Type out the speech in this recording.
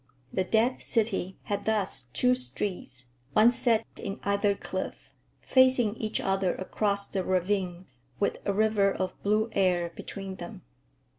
The dead city had thus two streets, one set in either cliff, facing each other across the ravine, with a river of blue air between them.